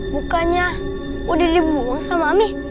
bukannya udah dibuang sama ami